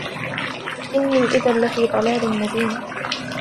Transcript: إِنِّي إِذًا لَفِي ضَلَالٍ مُبِينٍ